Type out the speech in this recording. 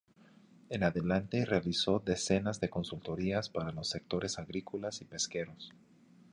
En adelante realizó decenas de consultorías para los sectores agrícolas y pesqueros.